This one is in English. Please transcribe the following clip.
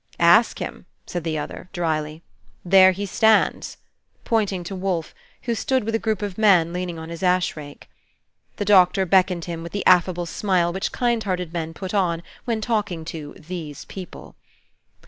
"Ask him," said the other, dryly, "There he stands," pointing to Wolfe, who stood with a group of men, leaning on his ash rake. The Doctor beckoned him with the affable smile which kind hearted men put on, when talking to these people.